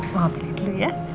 mau pilih dulu ya